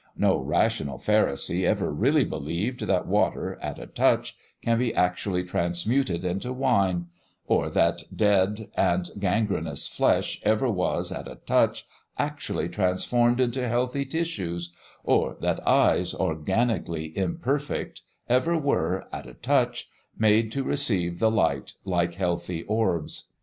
No rational pharisee ever really believed that water, at a touch, can be actually transmuted into wine; or that dead and gangrenous flesh ever was, at a touch, actually transformed into healthy tissues; or that eyes organically imperfect ever were, at a touch, made to receive the light like healthy orbs.